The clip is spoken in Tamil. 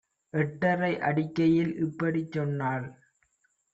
எட்டரை அடிக்கையில் இப்படிச் சொன்னாள்.